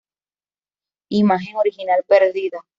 Imagen original perdida.